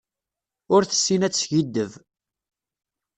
Ur tessin ad teskiddeb.